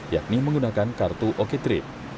yakni menggunakan kartu oko trip